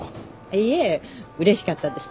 いえうれしかったです。